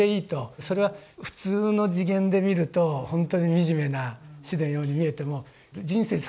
それは普通の次元で見るとほんとに惨めな死のように見えても人生最期